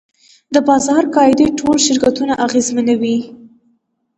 د بازار قاعدې ټول شرکتونه اغېزمنوي.